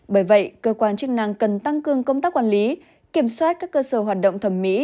bởi vậy cơ quan chức năng cần tăng cường công tác quản lý kiểm soát các cơ sở hoạt động thẩm mỹ